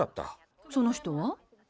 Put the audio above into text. その人は？